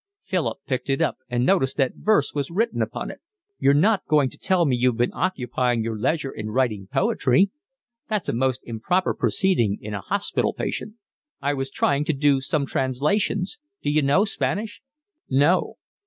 Philip picked it up and noticed that verse was written upon it. "You're not going to tell me you've been occupying your leisure in writing poetry? That's a most improper proceeding in a hospital patient." "I was trying to do some translations. D'you know Spanish?" "No."